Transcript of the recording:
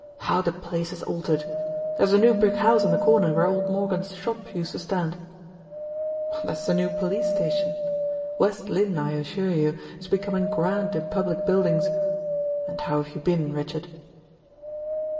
How the place has altered! There's a new brick house on the corner where old Morgan's shop used to stand." "That's the new police station. West Lynne I assure you, is becoming grand in public buildings. And how have you been, Richard?"